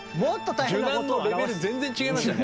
受難のレベル全然違いましたね。